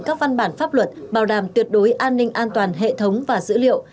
các văn bản pháp luật bảo đảm tuyệt đối an ninh an toàn hệ thống và dữ liệu